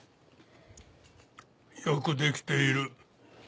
よくできている。